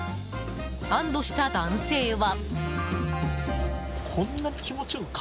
安堵した男性は。